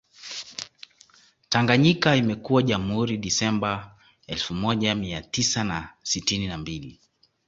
Tanganyika imekuwa Jamhuri Disemba elfu moja Mia tisa na sitini na mbili